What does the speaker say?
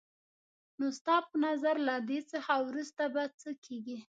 نو ستا په نظر له دې څخه وروسته به څه کېږي؟